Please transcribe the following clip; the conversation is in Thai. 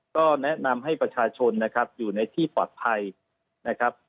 ก็แนะนำให้ประชาชนนะครับอยู่ในที่ปลอดภัยนะครับ